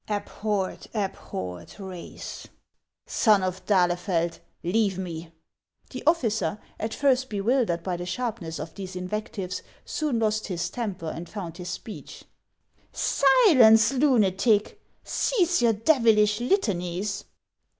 Abhorred, abhorred race ! Son of d'Ahlefeld, leave me !" The officer, at first bewildered by the sharpness of these invectives, soon lost his temper and found his speech. " Silence, lunatic ! Cease your devilish litanies